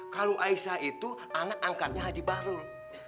kalau aisyah itu anak angkatnya haji bahrul